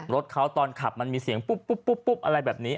รถเขาตอนขับมันมีเสียงปุ๊บปุ๊บอะไรแบบนี้